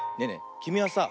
きみはさ